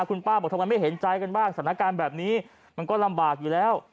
คุณป้าบอกทำไมไม่เห็นใจกันบ้างสถานการณ์แบบนี้มันก็ลำบากอยู่แล้ว